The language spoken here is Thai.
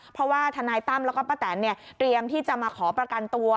เพราะว่าทนายตั้มแล้วก็ป้าแตนเนี่ยเตรียมที่จะมาขอประกันตัว